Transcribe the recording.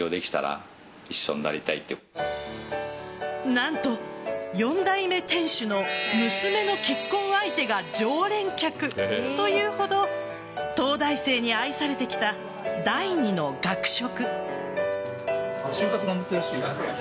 何と４代目店主の娘の結婚相手が常連客というほど東大生に愛されてきた第２の学食。